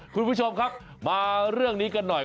คุณผู้ชมครับมาเรื่องนี้กันหน่อย